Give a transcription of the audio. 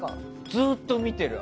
ずっと見ている。